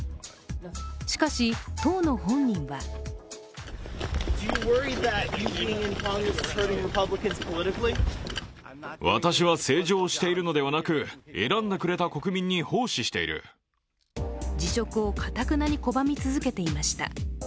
しかし、当の本人は辞職をかたくなに拒み続けていました。